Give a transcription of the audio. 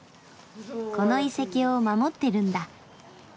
この遺跡を守ってるんだ。